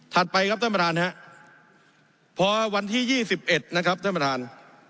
ไปครับท่านประธานครับพอวันที่๒๑นะครับท่านประธาน